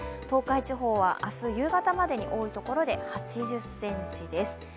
東海地方は明日夕方までに多いところで８０ｃｍです。